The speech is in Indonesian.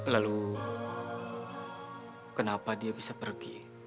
lalu kenapa dia bisa pergi